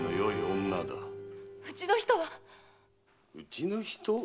うちの人は⁉うちの人？